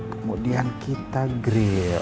kemudian kita grill